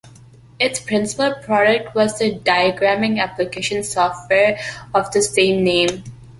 Its principal product was a diagramming application software of the same name.